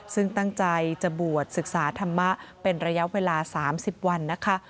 ซึ่งตั้งใจจะบวชศึกษาธรรมะเป็นระยะเวลา๓๐วันนะคะ